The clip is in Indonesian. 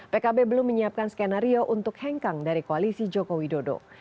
pkb belum menyiapkan skenario untuk hengkang dari koalisi jokowi dodo